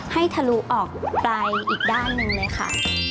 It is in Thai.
ให้ทะลุออกปลายอีกด้านหนึ่งเลยค่ะ